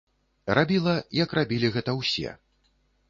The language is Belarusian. Рабіла, як рабілі гэта ўсе.